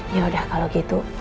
yaudah kalo gitu